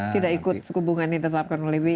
tidak ikut suku bunga yang ditetapkan oleh bi ya